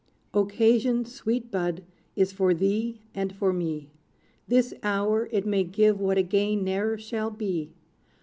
Occasion, sweet Bud, is for thee and for me: This hour it may give what again ne'er shall be.